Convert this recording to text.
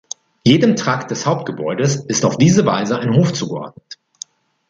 Jedem Trakt des Hauptgebäudes ist auf diese Weise ein Hof zugeordnet.